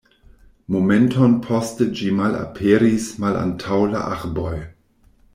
Momenton poste ĝi malaperis malantaŭ la arboj.